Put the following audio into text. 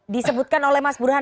disebutkan oleh mas burhan